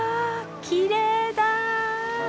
きれいだ！